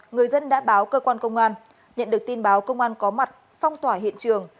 người dân đã báo cơ quan công an nhận được tin báo công an có mặt phong tỏa hiện trường